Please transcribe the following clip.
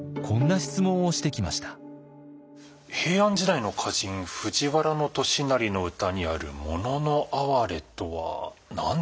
平安時代の歌人藤原俊成の歌にある「物のあはれ」とは何でしょうか？